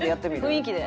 雰囲気で。